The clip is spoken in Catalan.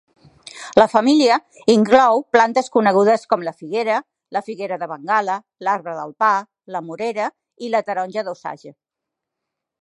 La família inclou plantes conegudes com la figuera, la figuera de Bengala, l'arbre del pa, la morera i la taronja d'Osage.